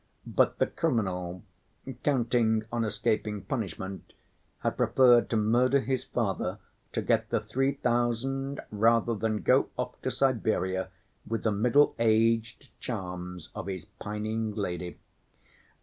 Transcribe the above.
But the criminal, counting on escaping punishment, had preferred to murder his father to get the three thousand rather than go off to Siberia with the middle‐aged charms of his pining lady.